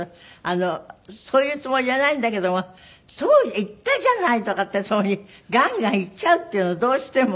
そういうつもりじゃないんだけども「言ったじゃない」とかってそういうふうにがみがみ言っちゃうっていうのどうしても。